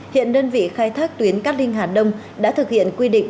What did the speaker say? hiện đơn vị khai thác tuyến cát linh hà đông đã thực hiện quy định